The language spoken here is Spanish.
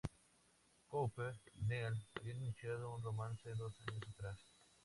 Cooper y Neal habían iniciado un romance dos años atrás.